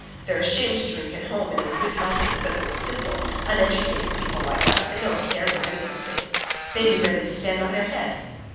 They're ashamed to drink at home and in good houses, but with simple uneducated people like us they don't care what any one thinks; they'd be ready to stand on their heads.